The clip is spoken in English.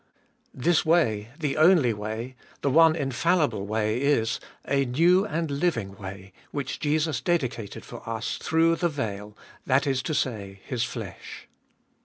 This way, the only way, the one infallible way is, a new and living way, which Jesus dedicated for us, through the veil, that is to say, His flesh.